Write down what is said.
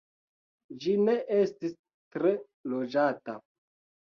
Ĝi ne estis tre loĝata.